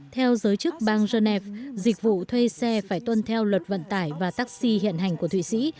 theo giới chức bang genève dịch vụ thuê xe phải tuân theo luật vận tải và taxi hiện hành của thụy sĩ